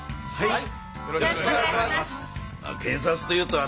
はい。